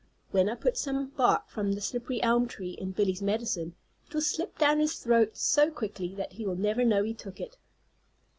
When I put some bark from the slippery elm tree in Billie's medicine it will slip down his throat so quickly that he will never know he took it."